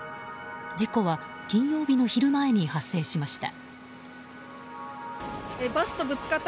事故は金曜日の昼前に発生しました。